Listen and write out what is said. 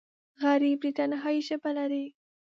غریب د تنهایۍ ژبه لري